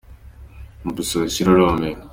Nkubise urushyi rurumira.